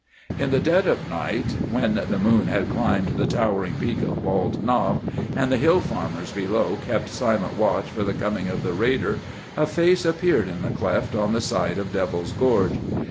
In the dead of night, when the moon had climbed the towering peak of Bald Knob, and the hill farmers below kept silent watch for the coming of the raider, a face appeared in the cleft on the side of Devil's Gorge.